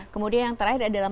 kemudian yang terakhir adalah